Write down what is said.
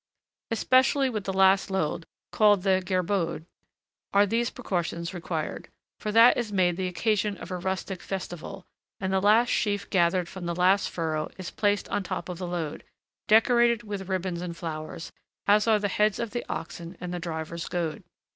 Especially with the last load, called the gerbaude, are these precautions required; for that is made the occasion of a rustic festival, and the last sheaf gathered from the last furrow is placed on top of the load, decorated with ribbons and flowers, as are the heads of the oxen and the driver's goad.